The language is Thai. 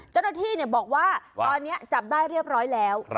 เจ้าหน้าที่บอกว่าตอนนี้จับได้เรียบร้อยแล้ว